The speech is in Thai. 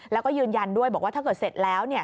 แล้วก็ยืนยันด้วยบอกว่าถ้าเกิดเสร็จแล้ว